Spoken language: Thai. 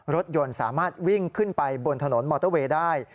รถยนต์สามารถวิ่งขึ้นไปบนถนนมอเตอร์เวย์ได้